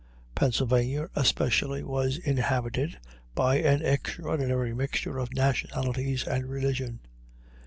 Pennsylvania, especially, was inhabited by an extraordinary mixture of nationalities and religions.